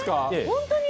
本当に？